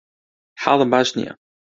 حاڵم باش نییە.